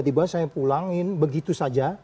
tiba tiba saya pulangin begitu saja